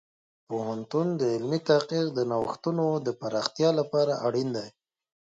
پوهنتون د علمي تحقیق د نوښتونو د پراختیا لپاره اړین دی.